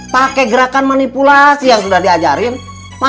pakai gerakan manipulasi yang sudah diajak jagaknya nen